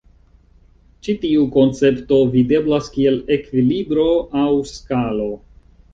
Ĉi tiu koncepto videblas kiel ekvilibro aŭ skalo.